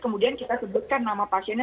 kemudian kita sebutkan nama pasiennya